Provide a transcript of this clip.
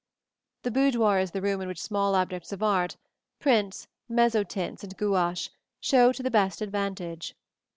The boudoir is the room in which small objects of art prints, mezzotints and gouaches show to the best advantage.